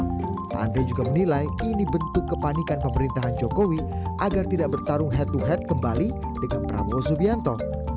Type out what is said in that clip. andre juga menilai ini bentuk kepanikan pemerintahan jokowi agar tidak bertarung head to head kembali dengan prabowo subianto